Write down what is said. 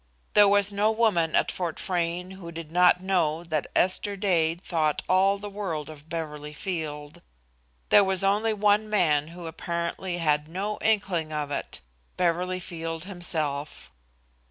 There was no woman at Fort Frayne who did not know that Esther Dade thought all the world of Beverly Field. There was only one man who apparently had no inkling of it Beverly Field himself.